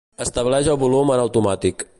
Estableix el volum en automàtic.